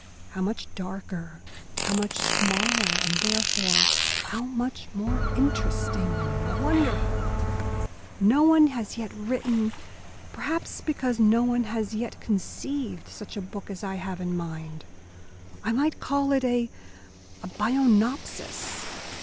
How much darker, how much smaller, and therefore how much more interesting and wonderful. No one has yet written perhaps because no one has yet conceived such a book as I have in mind. I might call it a 'Bionopsis.